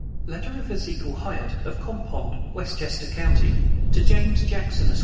Letter of Ezekiel Hyatt, of Crompond, Westchester county, to James Jackson, Esq.